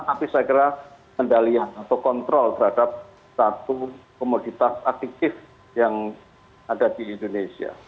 tapi saya kira kendalian atau kontrol terhadap satu komoditas aktif yang ada di indonesia